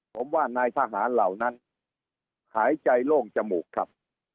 ผมว่านายทหารเหล่านั้นหายใจโล่งจมูกครับ